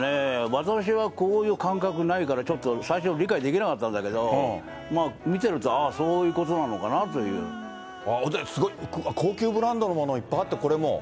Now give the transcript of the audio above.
私は、こういう感覚ないから、ちょっと最初理解できなかったんだけど、まあ見てると、ああ、そすごい、高級ブランドのもの、いっぱいあって、これも。